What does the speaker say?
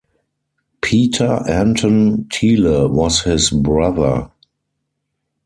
Pieter Anton Tiele was his brother.